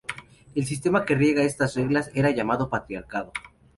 El sistema que regía estas reglas era llamado patriarcado.